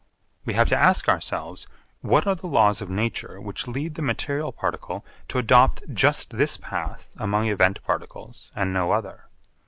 We have to ask ourselves what are the laws of nature which lead the material particle to adopt just this path among event particles and no other.